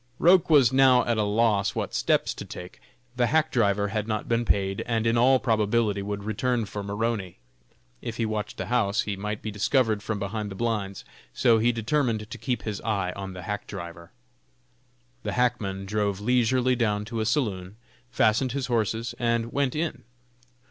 Roch was now at a loss what steps to take. The hack driver had not been paid, and in all probability would return for Maroney. If he watched the house, he might be discovered from behind the blinds; so he determined to keep his eye on the hack driver. The hackman drove leisurely down to a saloon, fastened his horses, and went in.